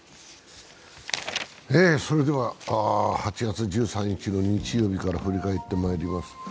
それでは８月１３日の日曜日から振り返ってまいります。